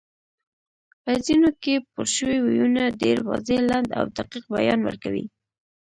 په ځینو کې پورشوي ویونه ډېر واضح، لنډ او دقیق بیان ورکوي